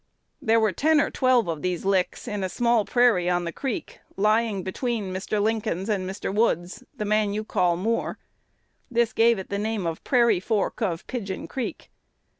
There were ten or twelve of these licks in a small prairie on the creek, lying between Mr. Lincoln's and Mr. Wood's (the man you call Moore). This gave it the name of Prairie Fork of Pigeon Creek.